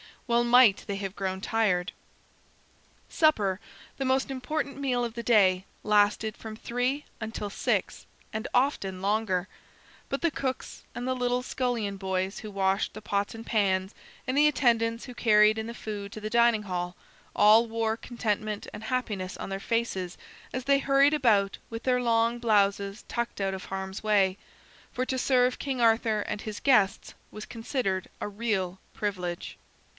Well might they have grown tired. Supper, the most important meal of the day, lasted from three until six, and often longer. But the cooks, and the little scullion boys who washed the pots and pans, and the attendants who carried in the food to the dining hall, all wore contentment and happiness on their faces as they hurried about with their long blouses tucked out of harm's way; for to serve King Arthur and his guests was considered a real privilege.